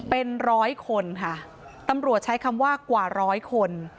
เป็นร้อยคนค่ะตำรวจใช้คำว่ากว่าร้อยคน